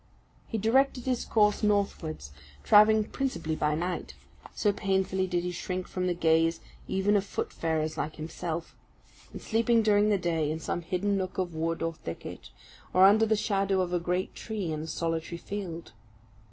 He directed his course northwards, travelling principally by night so painfully did he shrink from the gaze even of foot farers like himself; and sleeping during the day in some hidden nook of wood or thicket, or under the shadow of a great tree in a solitary field.